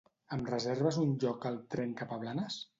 Em reserves un lloc al tren cap a Blanes?